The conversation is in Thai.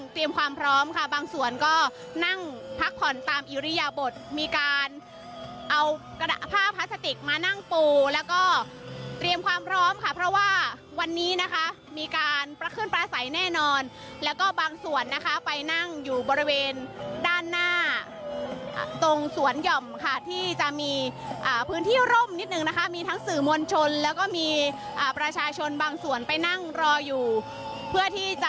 ความพร้อมค่ะบางส่วนก็นั่งพักผ่อนตามอิริยบทมีการเอากระผ้าพลาสติกมานั่งปูแล้วก็เตรียมความพร้อมค่ะเพราะว่าวันนี้นะคะมีการประขึ้นปลาใสแน่นอนแล้วก็บางส่วนนะคะไปนั่งอยู่บริเวณด้านหน้าตรงสวนหย่อมค่ะที่จะมีพื้นที่ร่มนิดนึงนะคะมีทั้งสื่อมวลชนแล้วก็มีประชาชนบางส่วนไปนั่งรออยู่เพื่อที่จะ